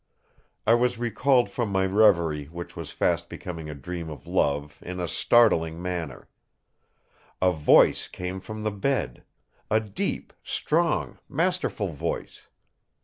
I was recalled from my reverie, which was fast becoming a dream of love, in a startling manner. A voice came from the bed; a deep, strong, masterful voice.